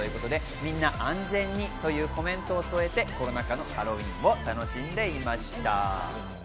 みんな安全にというコメントを添えて、コロナ禍のハロウィーンを楽しんでいました。